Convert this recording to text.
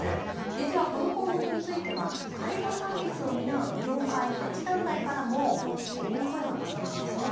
実は、この項目については、介護サービスを担う業界８団体からも、こんな声が上がっているんですね。